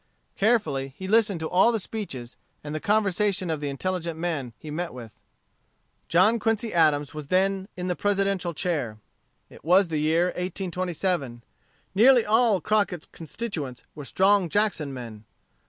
Carefully he listened to all the speeches and the conversation of the intelligent men he met with. John Quincy Adams was then in the Presidential chair. It was the year 1827. Nearly all Crockett's constituents were strong Jackson men.